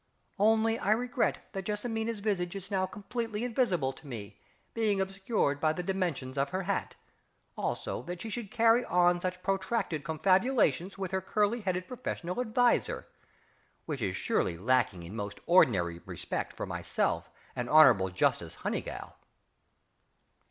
Only I regret that JESSIMINA'S visage is now completely invisible to me, being obscured by the dimensions of her hat, also that she should carry on such protracted confabulations with her curly headed professional adviser which is surely lacking in most ordinary respect for myself and Hon'ble Justice HONEYGALL!